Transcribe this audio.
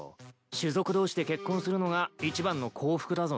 種族同士で結婚するのが一番の幸福だぞ。